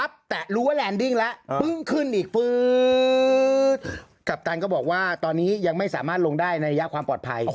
กัปตันก็บอกว่าตอนนี้ยังไม่สามารถลงได้ในระยะความปลอดภัย